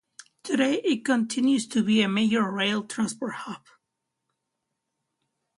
Today, it continues to be a major rail transport hub.